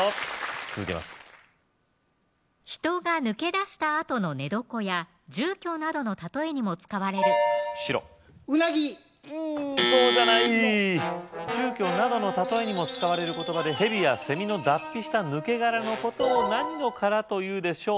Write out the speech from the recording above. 続けます人が抜け出したあとの寝床や住居などの例えにも使われる白ウナギうんそうじゃない住居などの例えにも使われる言葉でヘビやセミの脱皮した抜け殻のことを何の殻というでしょう